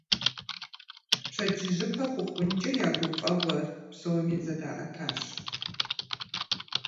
Пщэдджыжьыпэ хъухункӀэ я гуфӀэгъуэр псоми зэдаӀэтащ.